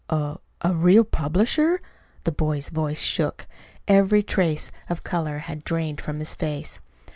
"A a real publisher?" The boy's voice shook. Every trace of color had drained from his face.